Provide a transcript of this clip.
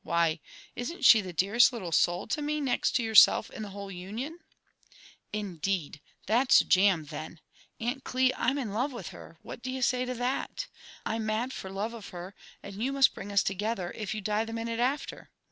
Why isn't she the dearest little soul to me, next yourself, in the whole Union ?" ''Indeed I — that's jam, then. Aunt Cli, I'm in love with her; what d'ye say to that ? I'm mad for love of her, and you must bring us together, if you die the minute after."